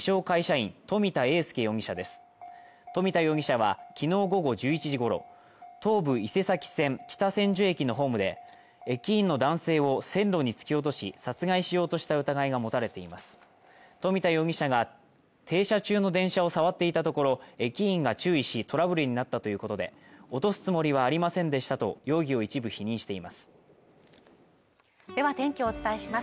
会社員冨田英佑容疑者です冨田容疑者はきのう午後１１時ごろ東武伊勢崎線北千住駅のホームで駅員の男性を線路に突き落とし殺害しようとした疑いが持たれています冨田容疑者が停車中の電車を触っていたところ駅員が注意しトラブルになったということで落とすつもりはありませんでしたと容疑を一部否認していますでは天気をお伝えします